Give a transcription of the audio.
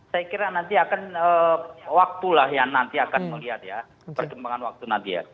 saya kira nanti akan waktulah ya nanti akan melihat ya perkembangan waktu nanti ya